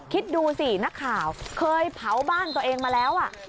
คิดดูสินักข่าวเคยเผาบ้านตัวเองมาแล้ว